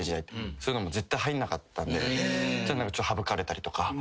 そういうの絶対入んなかったんではぶかれたりとかしてて。